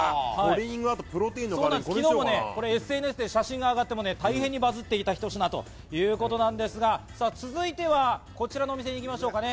ＳＮＳで昨日写真が上がって大変バズっていたひと品ということなんですが、さあ、続いてはこちらのお店に行きましょかね。